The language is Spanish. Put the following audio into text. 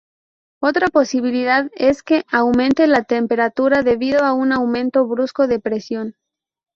Otra posibilidad es que aumente la temperatura debido a un aumento brusco de presión.